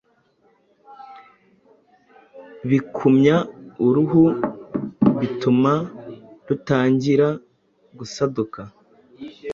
bikumya uruhu, bituma rutangira gusaduka